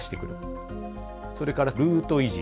それからルート維持。